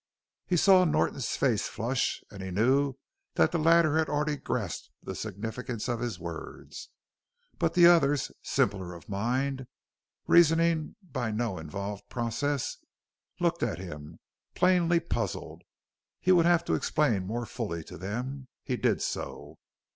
He saw Norton's face flush and he knew that the latter had already grasped the significance of his words. But the others, simpler of mind, reasoning by no involved process, looked at him, plainly puzzled. He would have to explain more fully to them. He did so.